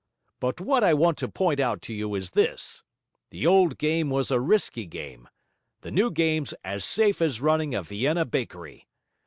But what I want to point out to you is this. The old game was a risky game. The new game's as safe as running a Vienna Bakery.